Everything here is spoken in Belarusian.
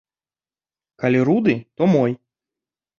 Калі руды, то мой.